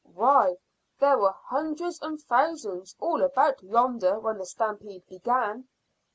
Why, there were hundreds and thousands all about yonder when the stampede began."